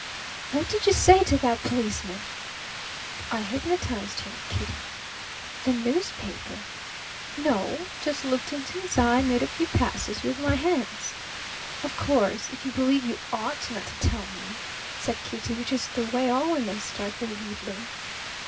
What did you say to that policeman?" "I hypnotized him, Kitty." "The newspaper?" "No. Just looked into his eye and made a few passes with my hands." "Of course, if you believe you ought not to tell me " said Kitty, which is the way all women start their wheedling.